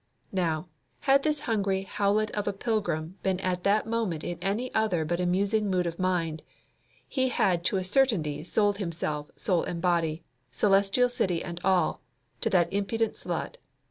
Now, had this hungry howlet of a pilgrim been at that moment in any other but a musing mood of mind, he had to a certainty sold himself, soul and body, Celestial City and all, to that impudent slut.